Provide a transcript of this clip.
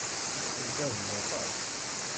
Tugadeḍ aṭas.